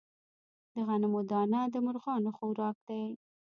د غنمو دانه د مرغانو خوراک دی.